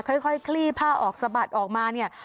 ค่อยคลี่ผ้าออกสะบัดออกมานี่